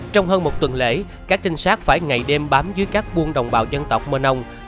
trong hơn một tuần lễ các trinh sát phải ngày đêm bám dưới các buôn đồng bào dân tộc mơ nông